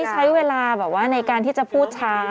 ใช้เวลาแบบว่าในการที่จะพูดช้า